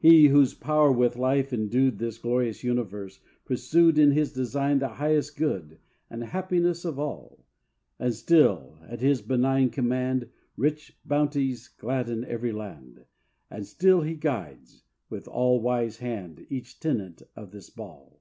He, whose power with life endued This glorious universe, pursued In His design the highest good And happiness of all; And still, at His benign command, Rich bounties gladden ev'ry land, And still He guides, with all wise hand Each tenant of this ball.